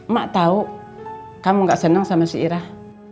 mak tau kamu nggak seneng sama si irah